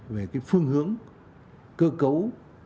về phương hướng cơ cấu